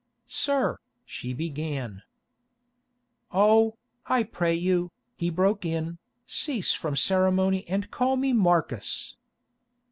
"Sir," she began—— "Oh, I pray you," he broke in, "cease from ceremony and call me Marcus!"